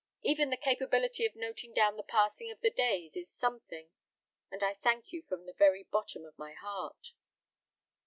Even the capability of noting down the passing of the days is something, and I thank you from the very bottom of my heart."